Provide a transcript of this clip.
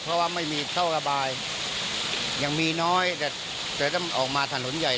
เพราะว่าไม่มีท่อระบายยังมีน้อยแต่ต้องออกมาถนนใหญ่